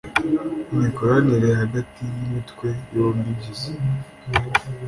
imikoranire hagati y Imitwe yombi igize